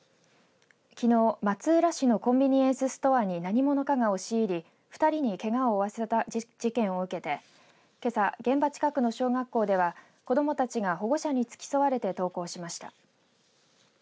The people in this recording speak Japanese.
きのう、松浦市のコンビニエンスストアに何者かが押し入り２人にけがを負わせた事件を受けてけさ、現場近くの小学校では子どもたちが保護者に付き添われて、登校しました。